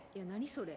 それ。